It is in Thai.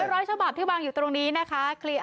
ร้อยฉบับที่วางอยู่ตรงนี้นะคะ